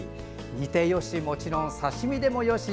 煮てよし、もちろん刺身でもよし。